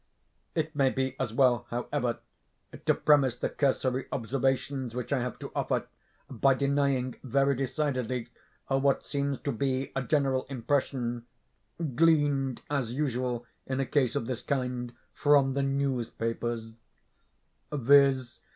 It may be as well, however, to premise the cursory observations which I have to offer, by denying, very decidedly, what seems to be a general impression (gleaned, as usual in a case of this kind, from the newspapers), viz.